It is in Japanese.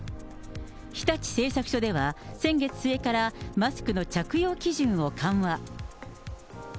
日立製作所では先月末から、マスクの着用基準を緩和。